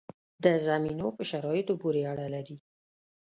د زمینو په شرایطو پورې اړه لري.